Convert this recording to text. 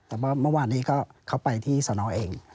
แต่ว่าเมื่อวานนี้ก็เข้าไปที่สนเอง